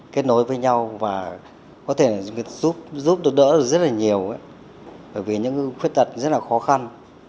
kết nối với nhau và có thể giúp đỡ rất là nhiều bởi vì những người khuyết tật rất là khó khăn